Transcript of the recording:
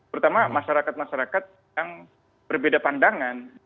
pertama masyarakat masyarakat yang berbeda pandangan